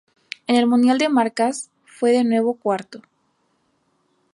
En el mundial de marcas fue de nuevo cuarto.